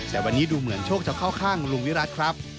แต่วันนี้ดูเหมือนโชคจะเข้าข้างลุงวิรัติครับ